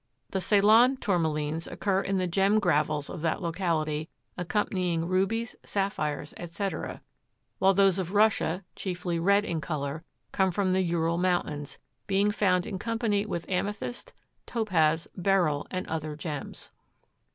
The Ceylon Tourmalines occur in the gem gravels of that locality accompanying rubies, sapphires, etc., while those of Russia, chiefly red in color, come from the Ural Mountains, being found in company with amethyst, topaz, beryl and other gems.